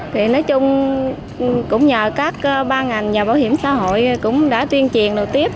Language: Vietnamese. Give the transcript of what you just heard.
thì nói chung cũng nhờ các ban ngành nhà bảo hiểm xã hội cũng đã tiên triền đầu tiếp